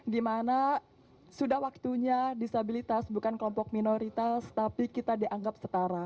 dimana sudah waktunya disabilitas bukan kelompok minoritas tapi kita dianggap setara